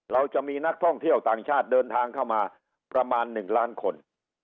เราจะมีนักท่องเที่ยวต่างชาติเดินทางเข้ามาประมาณ๑ล้านคน